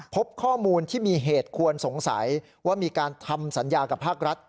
พบข้อมูลที่มีเหตุควรสงสัยว่ามีการทำสัญญากับภาครัฐ